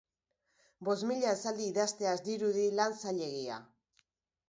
Bost mila esaldi idaztea ez dirudi lan zailegia.